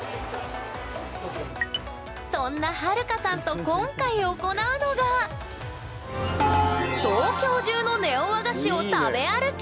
そんなハルカさんと今回行うのが東京中のネオ和菓子を食べ歩き！